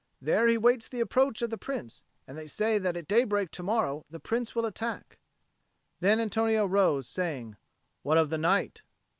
There he waits the approach of the Prince; and they say that at daybreak to morrow the Prince will attack." Then Antonio rose, saying, "What of the night?"